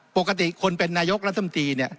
ปกติคนเป็นนายกละท่ำตี